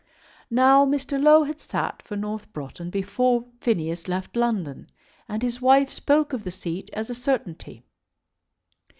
Now Mr. Low had sat for North Broughton before Phineas left London, and his wife spoke of the seat as a certainty.